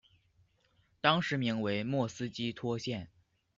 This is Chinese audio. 当时名为莫斯基托县。